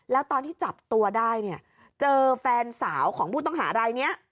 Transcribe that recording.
แล้วตอนที่จับตัวได้เนี่ยเจอแฟนสาวของผู้ต้องหารายนี้